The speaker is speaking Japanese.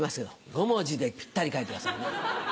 ５文字でぴったり書いてください。